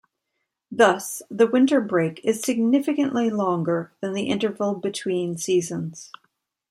Thus, the winter break is significantly longer than the interval between seasons.